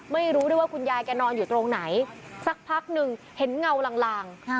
ไม่รู้ด้วยว่าคุณยายแกนอนอยู่ตรงไหนสักพักหนึ่งเห็นเงาลาง